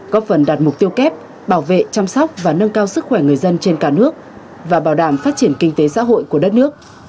góp phần đạt mục tiêu kép bảo vệ chăm sóc và nâng cao sức khỏe người dân trên cả nước và bảo đảm phát triển kinh tế xã hội của đất nước